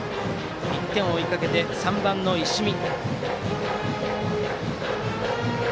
１点を追いかけて３番の石見。